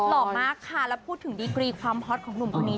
หล่อมากค่ะแล้วพูดถึงดีกรีความฮอตของหนุ่มคนนี้